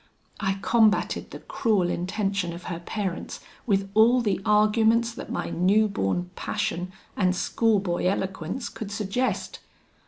I combated the cruel intention of her parents with all the arguments that my new born passion and schoolboy eloquence could suggest.